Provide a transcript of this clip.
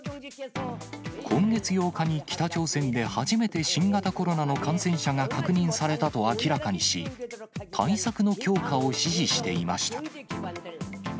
今月８日に北朝鮮で初めて新型コロナの感染者が確認されたと明らかにし、対策の強化を指示していました。